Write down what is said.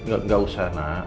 gak usah nak